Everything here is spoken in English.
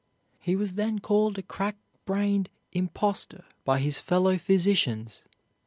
He was then called a crack brained impostor by his fellow physicians.